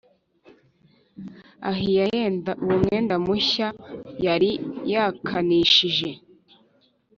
Ahiya yenda uwo mwenda mushya yari yakanishije